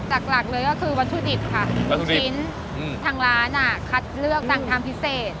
หลักเลยก็คือวัสดิบค่ะทางร้านเนี่ยหมุนชิ้นคัดเลือกสั่งทำพิเศษ